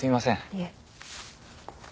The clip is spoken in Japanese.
いえ。